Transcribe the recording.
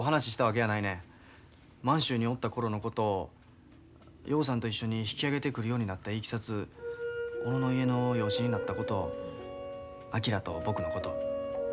満州におった頃のこと陽さんと一緒に引き揚げてくるようになったいきさつ小野の家の養子になったこと昭と僕のことお姉ちゃんのこと。